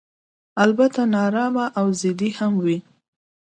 البته نا ارامه او ضدي هم وي.